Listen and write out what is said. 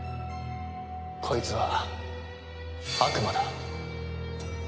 こいつは悪魔だ。